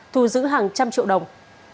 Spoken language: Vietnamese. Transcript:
thu giữ hàng trăm triệu đồng